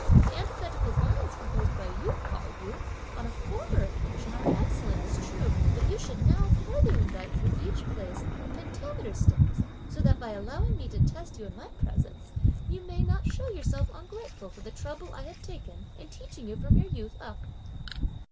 The antithetical lines composed by you, (Pao yü), on a former occasion are excellent, it is true; but you should now further indite for each place, a pentameter stanza, so that by allowing me to test you in my presence, you may not show yourself ungrateful for the trouble I have taken in teaching you from your youth up."